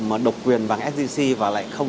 mà độc quyền vàng sgc và lại không